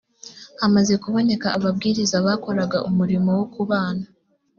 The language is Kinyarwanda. hamaze kuboneka ababwiriza bakoraga umurimo wo kubana